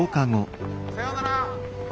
さようなら。